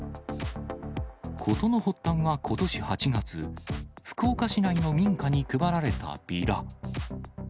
事の発端はことし８月、福岡市内の民家に配られたビラ。